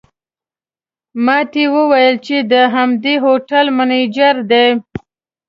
ماته یې وویل چې د همدې هوټل منیجر دی.